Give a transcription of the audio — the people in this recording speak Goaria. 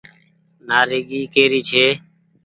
نآريگي ڪي ري ڇي۔